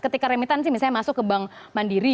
ketika remitansi misalnya masuk ke bank mandiri